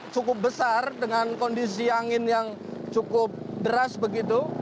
cukup besar dengan kondisi angin yang cukup deras begitu